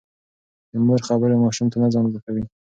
د مور خبرې ماشوم ته نظم زده کوي.